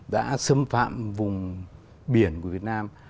đã xâm phạm vùng biển của việt nam